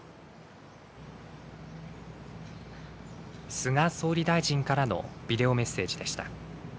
菅総理大臣からのビデオメッセージでした。